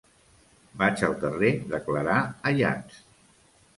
Vaig al carrer de Clarà Ayats.